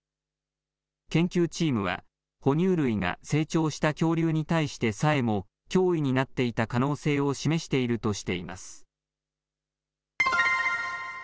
研究チームは哺乳類が成長した恐竜に対してさえも脅威になっていた可能性を示しているとしています。